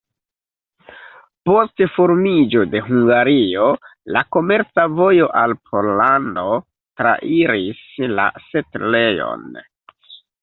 Post formiĝo de Hungario la komerca vojo al Pollando trairis la setlejon.